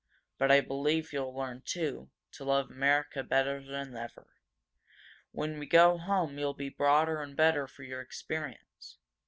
But I believe you'll learn, too, to love America better than ever. When we go home you'll be broader and better for your experience."